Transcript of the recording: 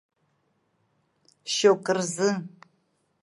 Шьоукы рзы!